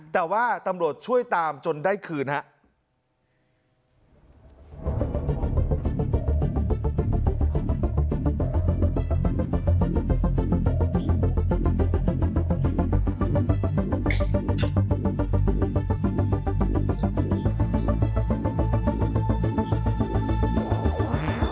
แต่ว่าตำรวจช่วยตามจนได้คืนครับ